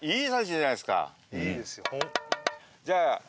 いいですよ